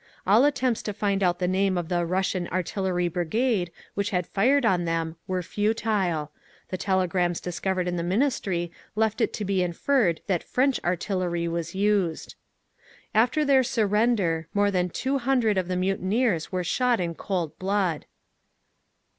All attempts to find out the name of the "Russian artillery brigade" which had fired on them were futile; the telegrams discovered in the Ministry left it to be inferred that French artillery was used…. After their surrender, more than two hundred of the mutineers were shot in cold blood.